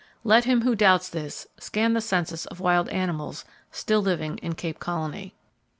Let him who doubts this scan the census of wild animals still living in Cape Colony.